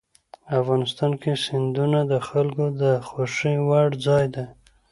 افغانستان کې سیندونه د خلکو د خوښې وړ ځای دی.